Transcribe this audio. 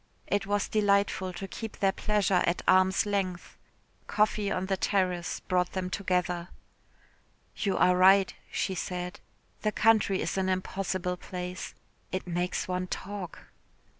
It was delightful to keep their pleasure at arm's length. Coffee on the terrace brought them together. "You are right," she said, "the country is an impossible place. It makes one talk."